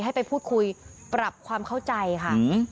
ให้ไปพูดคุยปรับความเข้าใจค่ะ